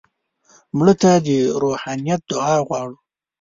مړه ته د روحانیت دعا غواړو